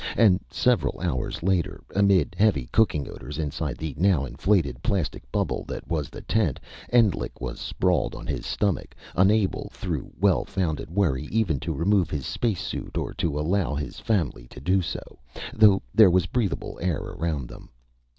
And several hours later, amid heavy cooking odors inside the now inflated plastic bubble that was the tent, Endlich was sprawled on his stomach, unable, through well founded worry, even to remove his space suit or to allow his family to do so, though there was breathable air around them.